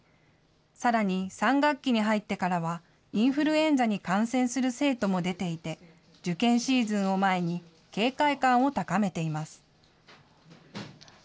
さらに３学期に入ってからは、インフルエンザに感染する生徒も出ていて、受験シーズンを前に警戒感を高めています。